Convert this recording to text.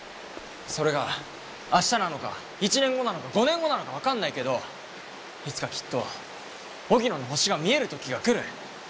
それが明日なのか１年後なのか５年後なのか分かんないけどいつかきっと荻野の星が見える時が来る。